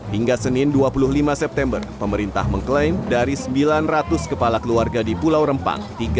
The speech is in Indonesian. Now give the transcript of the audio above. hingga senin dua puluh lima september pemerintah mengklaim dari sembilan ratus kepala keluarga di pulau rempang